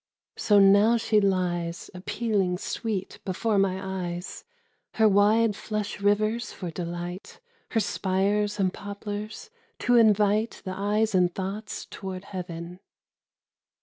So now she lies Appealing sweet before my eyes, Her wide flush rivers for delight, Her spires and poplars to invite The eyes and thoughts toward heaven.